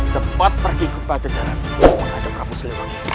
cepat pergi ke paja jalan